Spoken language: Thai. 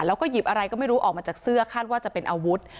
แล้วก็หยิบอะไรก็ไม่รู้ออกมาจากเสื้อคาดว่าจะเป็นอาวุธ